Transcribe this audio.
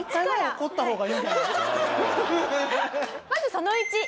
まずその１。